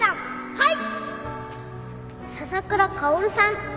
はい